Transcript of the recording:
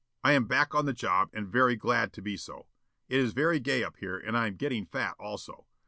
I am back on the job and very glad to be so. It is very gay up here and I am getting fat also.